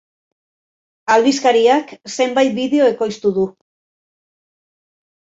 Aldizkariak zenbait bideo ekoiztu du.